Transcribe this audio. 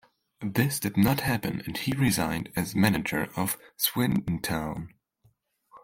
This did not happen and he resigned as manager of Swindon Town.